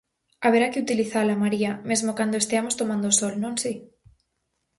Haberá que utilizala, María, mesmo cando esteamos tomando o sol, non si?